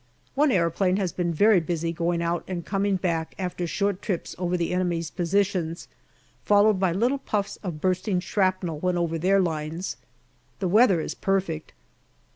One aeroplane has been very busy going out and coming back after short trips over the enemy's positions, followed by little puffs of bursting shrapnel when over their lines. The weather is perfect.